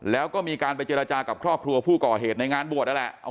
แล้วก็มีการไปเจรจากับครอบครัวผู้ก่อเหตุในงานบวชนั่นแหละ